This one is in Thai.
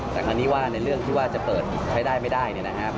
แต่คราวนี้ว่าในเรื่องที่ว่าจะเปิดใช้ได้ไม่ได้